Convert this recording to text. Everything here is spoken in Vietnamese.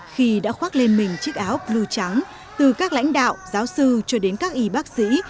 khi đã khoác lên mình chiếc áo blue trắng từ các lãnh đạo giáo sư cho đến các y bác sĩ